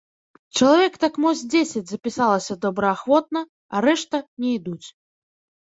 Чалавек так мо з дзесяць запісалася добраахвотна, а рэшта не ідуць.